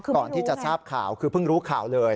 ก่อนที่จะทราบข่าวคือเพิ่งรู้ข่าวเลย